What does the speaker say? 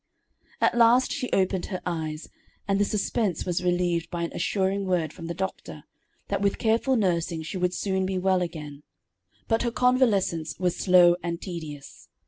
At last she opened her eyes; and the suspense was relieved by an assuring word from the doctor, that with careful nursing she would soon be well again. But her convalescence was slow and tedious.